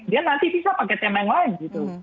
dia nanti bisa pakai tema yang lain gitu